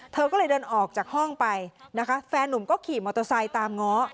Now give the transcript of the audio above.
เธอก็เลยเดินออกจากห้องไปนะคะแฟนนุ่มก็ขี่มอเตอร์ไซค์ตามง้อ